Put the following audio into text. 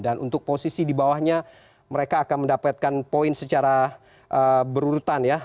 dan untuk posisi di bawahnya mereka akan mendapatkan poin secara berurutan ya